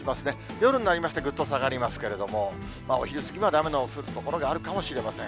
夜になりまして、ぐっと下がりますけれども、お昼過ぎまで雨の降る所があるかもしれません。